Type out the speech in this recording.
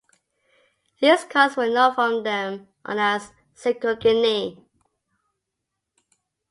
These coins were known from then on as "cicognini".